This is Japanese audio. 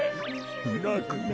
なくな。